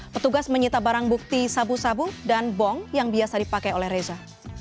petugas menyita barang bukti sabu sabu dan bong yang biasa dipakai oleh reza